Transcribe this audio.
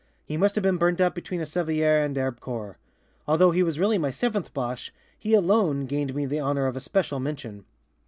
He must have been burned up between Assevillers and Herbecourt. Although he was really my seventh Boche, he alone gained me the honor of a special mention."